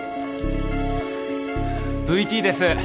ＶＴです！